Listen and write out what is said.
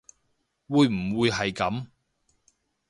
會唔會係噉